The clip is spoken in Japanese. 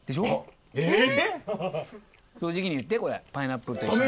正直に言ってこれパイナップルと一緒。